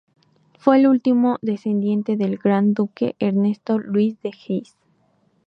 Fue el último descendiente del Gran Duque Ernesto Luis de Hesse.